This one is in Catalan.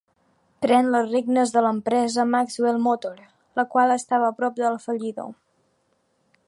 Pren les regnes de l'empresa Maxwell Motor, la qual estava prop de la fallida.